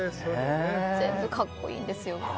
全部、格好いいんですよ。